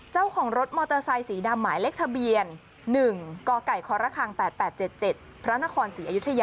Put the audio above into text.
เจ้าของรถมอเตอร์ไซค์สีดำหมายเลขทะเบียน๑กคค๘๘๗๗พศศ